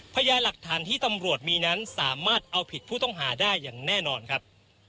พยายามหลักฐานที่ตำรวจมีนั้นสามารถเอาผิดผู้ต้องหาได้อย่างแน่นอนครับ